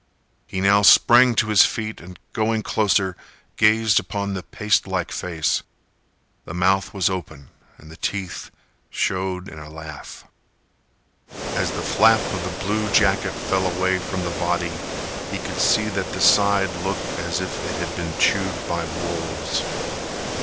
He now sprang to his feet and, going closer, gazed upon the pastelike face. The mouth was open and the teeth showed in a laugh. As the flap of the blue jacket fell away from the body, he could see that the side looked as if it had been chewed by wolves.